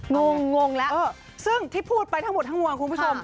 งงงแล้วซึ่งที่พูดไปทั้งหมดทั้งมวลคุณผู้ชม